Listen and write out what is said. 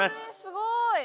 すごい！